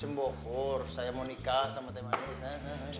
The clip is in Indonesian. cembohur saya mau nikah sama teh manis hei